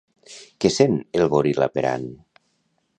Què sent el goril·la per Ann?